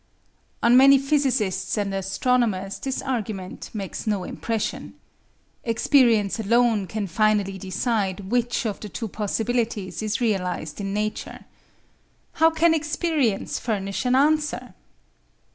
On many physicists and astronomers this argument makes no impression. Experience alone can finally decide which of the two possibilities is realised in nature. How can experience furnish an answer?